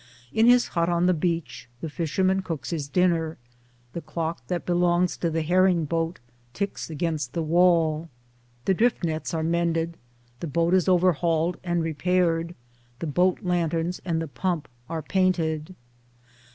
In his hut on the beach the fisherman cooks his dinner ; the clock that belongs in the herring boat ticks against the wall ; the drift nets are mended ; the boat is overhauled and repaired, the boat lanterns and the pump are painted.